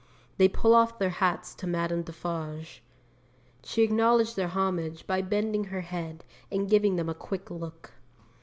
They pull off their hats to Madame Defarge. 'She acknowledged their homage by bending her head, and giving them a quick look.